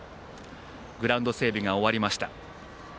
グラウンド整備が終わりました。